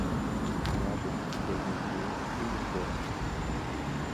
Пляжыць яе неяк і не хораша.